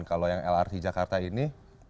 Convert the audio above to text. kalau yang lrt jakarta ini